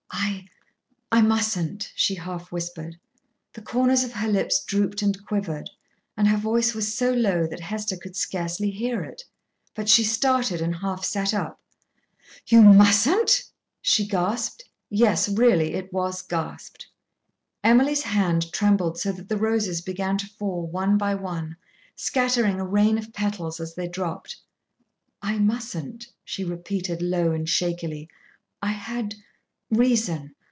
"I I mustn't," she half whispered. The corners of her lips drooped and quivered, and her voice was so low that Hester could scarcely hear it. But she started and half sat up. "You mustn't?" she gasped; yes, really it was gasped. Emily's hand trembled so that the roses began to fall one by one, scattering a rain of petals as they dropped. "I mustn't," she repeated, low and shakily. "I had reason.